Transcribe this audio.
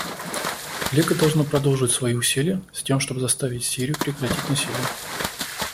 Лига должна продолжить свои усилия, с тем чтобы заставить Сирию прекратить насилие.